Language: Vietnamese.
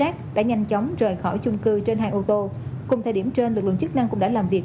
chung cư trên hai ô tô cùng thời điểm trên lực lượng chức năng cũng đã làm việc